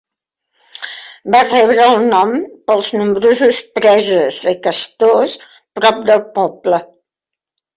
Va rebre el nom pels nombrosos preses de castors prop del poble.